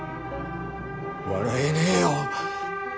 笑えねえよ。